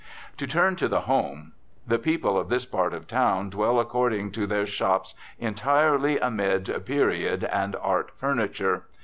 To turn to the home. The people of this part of town dwell, according to their shops, entirely amid "period and art furniture."